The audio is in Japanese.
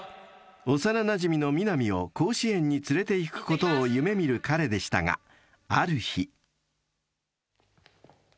［幼なじみの南を甲子園に連れていくことを夢見る彼でしたがある日］